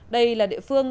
đây là địa phương